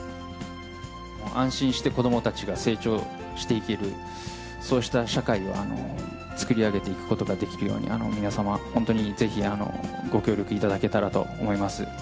安心して子どもたちが成長していける、そうした社会を作り上げていくことができるように、皆様、本当にぜひ、ご協力いただけたらと思います。